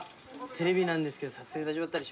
テレビなんですけど撮影大丈夫だったりしますか？